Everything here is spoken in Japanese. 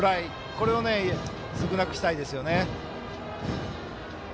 これを少なくしたいですよね。